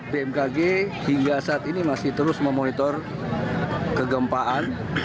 bmkg hingga saat ini masih terus memonitor kegempaan